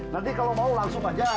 nanti kalau mau langsung aja